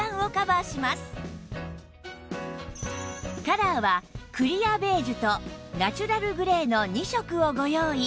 カラーはクリアベージュとナチュラルグレーの２色をご用意